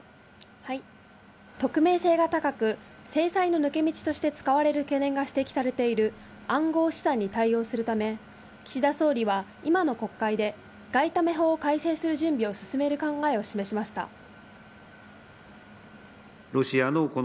匿名性が高く、制裁の抜け道として使われる懸念が指摘されている暗号資産に対応するため、岸田総理は今の国会で外為法を改正する準備を進める考えを示しました。